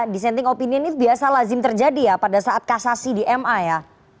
dissenting opinion itu biasa lazim terjadi ya pada saat kasasi di ma ya